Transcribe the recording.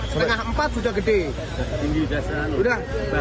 setengah empat sudah gede